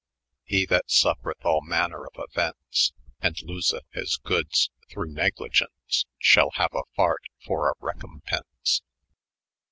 13 ' He that suffreth all maner of offence, And loseth his goodes throngh necljgence. Shall haae a brte for a recompence.